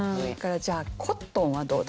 じゃあ「コットン」はどうですか？